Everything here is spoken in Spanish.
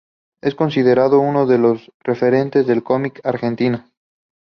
Es considerado uno de los referentes del cómic argentino.